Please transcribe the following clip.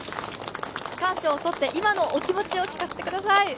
区間賞を取って、今のお気持ちを聞かせてください。